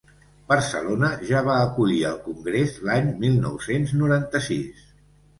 Barcelona ja va acollir el congrés l’any mil nou-cents noranta-sis.